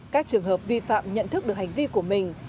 các trường hợp vi phạm nhận thức được hành vi của mình